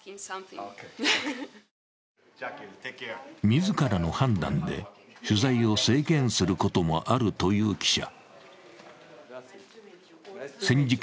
自らの判断で取材を制限することもあるという記者。